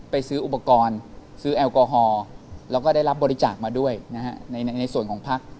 ไปซื้ออุปกรณ์ซื้อแอลกอฮอล์แล้วก็ได้รับบริจาคมาด้วยนะฮะในส่วนของพัก